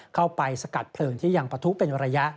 เข้าไปสกัดเพลิงที่ยังประทุเป็นระยะ